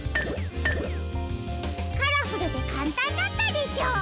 カラフルでかんたんだったでしょ？